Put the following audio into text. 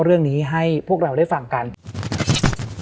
และวันนี้แขกรับเชิญที่จะมาเยี่ยมในรายการสถานีผีดุของเรา